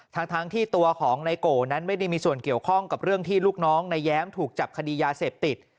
ทั้งที่ตัวของนายโกนั้นไม่ได้มีส่วนเกี่ยวข้องกับเรื่องที่ลูกน้องนายแย้มถูกจับคดียาเสพติด